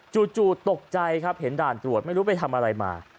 จู่ตกใจครับเห็นด่านตรวจไม่รู้ไปทำอะไรมา